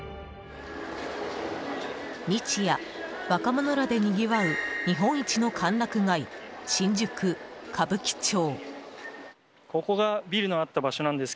日夜、若者らでにぎわう日本一の歓楽街、新宿・歌舞伎町。